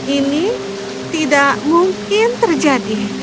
ini tidak mungkin terjadi